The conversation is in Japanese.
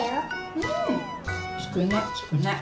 うんつくねつくね。